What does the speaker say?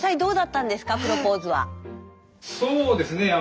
そうですね